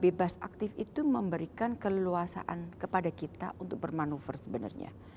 bebas aktif itu memberikan keleluasaan kepada kita untuk bermanuver sebenarnya